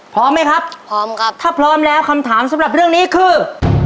พร้อมไหมครับพร้อมครับถ้าพร้อมแล้วคำถามสำหรับเรื่องนี้คือ